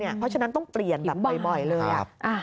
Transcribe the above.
เพราะฉะนั้นต้องเปลี่ยนแบบบ่อยเลย